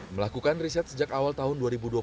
melakukan riset sejak awal tahun dua ribu dua puluh